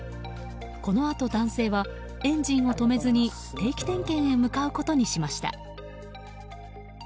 このあと男性はエンジンを止めずに定期点検へ向かうことにしました。